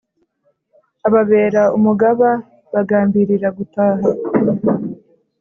Ababera umugaba bagambirira gutaha